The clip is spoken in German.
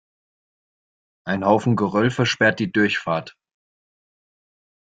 Ein Haufen Geröll versperrt die Durchfahrt.